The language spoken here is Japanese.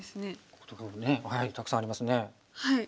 こことかねたくさんありますね。